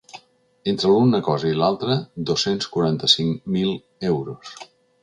Entre l’una cosa i l’altra, dos-cents quaranta-cinc mil euros.